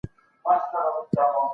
راتلونکی نسل به قضاوت وکړي.